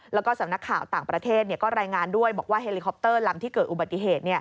แล้วก็สำนักข่าวต่างประเทศก็รายงานด้วยบอกว่าเฮลิคอปเตอร์ลำที่เกิดอุบัติเหตุ